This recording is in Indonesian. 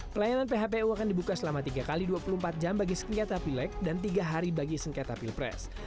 pelayanan phpu akan dibuka selama tiga x dua puluh empat jam bagi sengketa pilek dan tiga hari bagi sengketa pilpres